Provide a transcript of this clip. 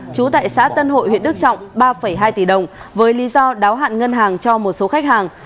trú tại xã tân hội huyện đức trọng ba hai tỷ đồng với lý do đáo hạn ngân hàng cho một số khách hàng